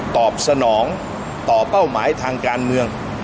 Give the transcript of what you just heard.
ตอบสนองต่อเป้าหมายทางการเมือง